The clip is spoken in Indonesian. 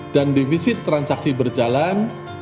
dan defisit transaksi berjalan